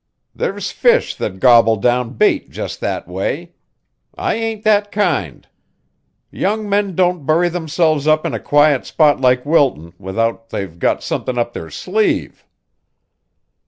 There's fish that gobble down bait just that way. I ain't that kind. Young men don't bury themselves up in a quiet spot like Wilton without they've got somethin' up their sleeve."